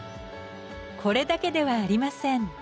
これだけではありません。